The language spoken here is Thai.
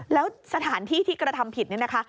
แล้วสถานที่ที่กระทำผิดนี่นะคะ